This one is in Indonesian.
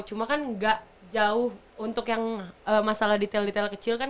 cuma kan gak jauh untuk yang masalah detail detail kecil kan